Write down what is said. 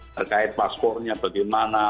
terkait paspornya bagaimana